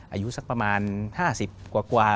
อายุสักประมาณ๕๐กว่า